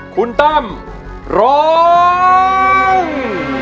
คุณตั้มร้อง